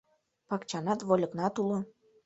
Пакчанат, вольыкнат уло.